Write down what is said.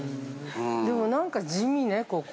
でもなんか地味ね、ここ。